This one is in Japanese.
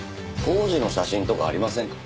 当時の写真とかありませんか？